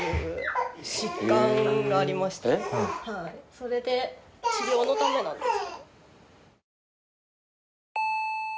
それで治療のためなんです。